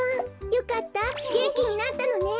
よかったげんきになったのね！